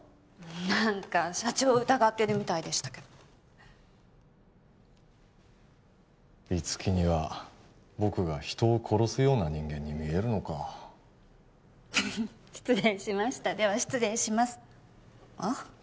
何か社長を疑ってるみたいでしたけど五木には僕が人を殺すような人間に見えるのか失礼しましたでは失礼しますあっ？